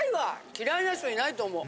嫌いな人いないと思う。